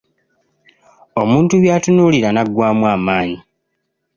Omuntu by'atunuulira n'aggwaamu amaanyi.